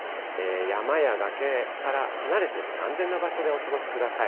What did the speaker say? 山や崖から離れて安全な場所でお過ごしください。